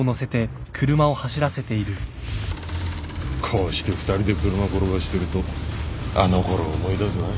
こうして２人で車転がしてるとあのころを思い出すな。